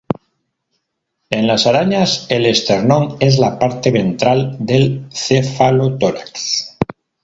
En las arañas, el esternón es la parte ventral del cefalotórax.